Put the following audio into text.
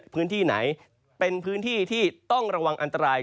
พื้นที่ไหนเป็นพื้นที่ที่ต้องระวังอันตราย